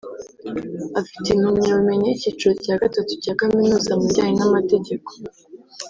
Afite impamyabumenyi y’icyiciro cya Gatatu cya Kaminuza mu bijyanye n’amategeko